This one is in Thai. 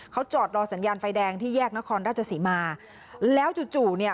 เขาจอดรอสัญญาณไฟแดงที่แยกนครราชสีมาแล้วจู่จู่เนี่ย